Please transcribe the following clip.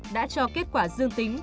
đã cho kết quả dương tính